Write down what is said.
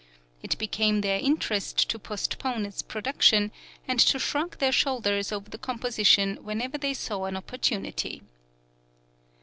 It became their interest to postpone its production, and to shrug their shoulders over the composition whenever they saw an opportunity.